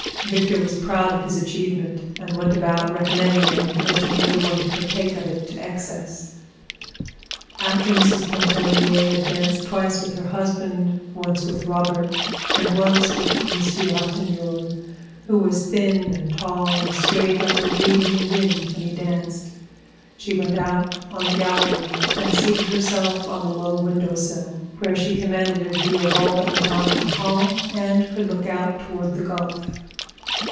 Victor was proud of his achievement, and went about recommending it and urging every one to partake of it to excess. After Mrs. Pontellier had danced twice with her husband, once with Robert, and once with Monsieur Ratignolle, who was thin and tall and swayed like a reed in the wind when he danced, she went out on the gallery and seated herself on the low window sill, where she commanded a view of all that went on in the hall and could look out toward the Gulf.